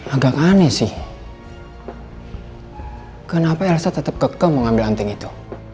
agak aneh sih kenapa elsa tetep kekeu mengambil hanting itu